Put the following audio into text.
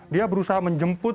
dia berusaha menjelaskan